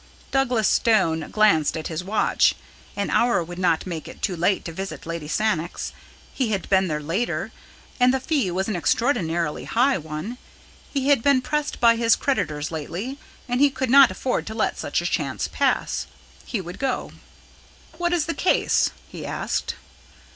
Douglas Stone glanced at his watch. An hour would not make it too late to visit Lady Sannox. He had been there later. And the fee was an extraordinarily high one. He had been pressed by his creditors lately, and he could not afford to let such a chance pass. He would go. "What is the case?" he asked.